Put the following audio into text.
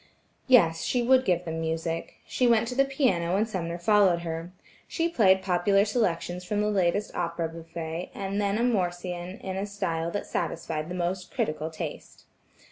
Yes, she would give them music. She went to the piano and Sumner followed her. She played popular selections from the latest opera bouffe, and then a morcean in a style that satisfied the most critical taste.